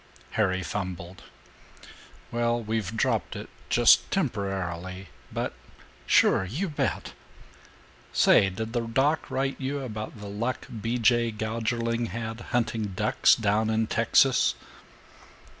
Harry fumbled, "Well, we've dropped it just temporarily, but sure you bet! Say, did the doc write you about the luck B. J. Gougerling had hunting ducks down in Texas?"